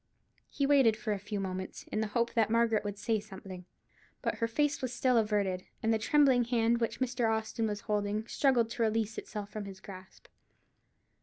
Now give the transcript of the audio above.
He waited for a few moments, in the hope that Margaret would say something; but her face was still averted, and the trembling hand which Mr. Austin was holding struggled to release itself from his grasp.